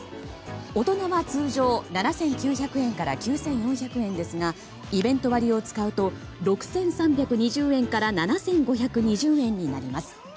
大人は通常７９００円から９４００円ですがイベント割を使うと６３２０円から７５２０円になります。